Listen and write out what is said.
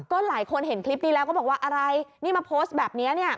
ก็หลายคนเห็นคลิปนี้แล้วก็บอกว่าอะไรนี่มาโพสต์แบบนี้เนี่ย